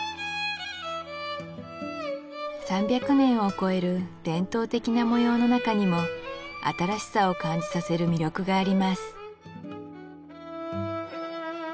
３００年を超える伝統的な模様の中にも新しさを感じさせる魅力があります